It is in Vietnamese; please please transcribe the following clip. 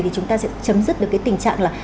thì chúng ta sẽ chấm dứt được cái tình trạng là